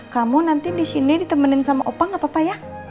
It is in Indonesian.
kamu nanti disini ditemenin sama opa gak apa apa ya